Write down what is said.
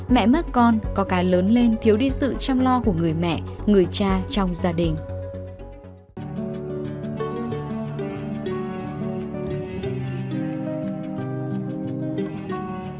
mẹ mất con có cái lớn lên thiếu đi sự chăm lo của người mẹ người cha trong gia đình